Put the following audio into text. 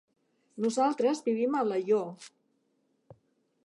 Nosaltres vivim a Alaior.